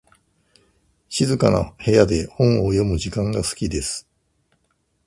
静かな部屋で本を読む時間が好きです。